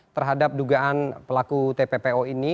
terhadap dugaan pelaku tppo ini